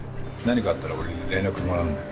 何かあったら俺に連絡もらうんで。